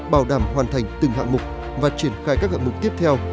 bảo đảm hoàn thành từng hạng mục và triển khai các hạng mục tiếp theo